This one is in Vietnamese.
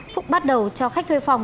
phúc bắt đầu cho khách thuê phòng